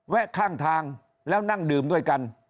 ข้างทางแล้วนั่งดื่มด้วยกัน